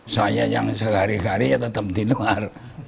saya yang sehari hari ya tetap di luar